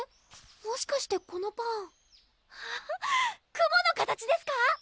もしかしてこのパン雲の形ですか？